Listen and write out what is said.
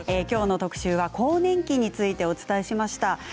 きょうの特集は更年期についてお伝えしました。